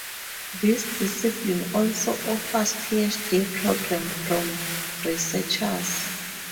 This discipline also offers PhD program from researchers.